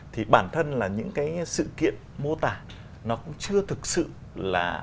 thì bản thân là những cái sự kiện mô tả nó cũng chưa thực sự là